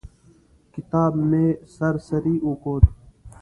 کتاب مې سر سري وکوت.